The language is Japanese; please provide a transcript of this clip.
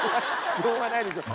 しょうがないでしょ。